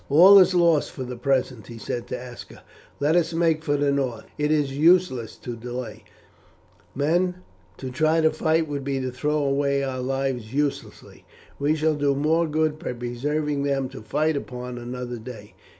"All is lost for the present," he said to Aska, "let us make for the north; it is useless to delay, men; to try to fight would be to throw away our lives uselessly, we shall do more good by preserving them to fight upon another day.